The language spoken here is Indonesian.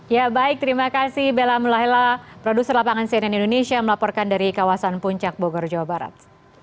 ya baik terima kasih bella mulahela produser lapangan cnn indonesia melaporkan dari kawasan puncak bogor jawa barat